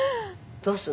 「どうするの？」